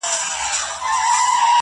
چي په تېښته کي چالاک لکه ماهى وو-